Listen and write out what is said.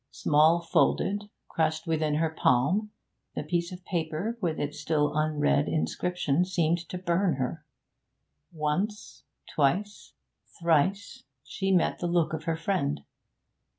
Small folded, crushed within her palm, the piece of paper with its still unread inscription seemed to burn her. Once, twice, thrice she met the look of her friend.